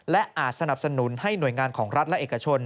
และอาจสนับสนุนให้หน่วยงานของรัฐและเอกชน